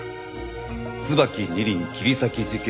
『椿二輪』切り裂き事件